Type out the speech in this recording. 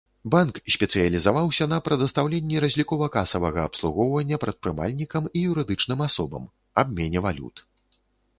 Банк спецыялізаваўся на прадастаўленні разлікова-касавага абслугоўвання прадпрымальнікам і юрыдычным асобам, абмене валют.